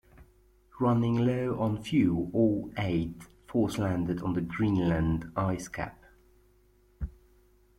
Running low on fuel, all eight force-landed on the Greenland ice cap.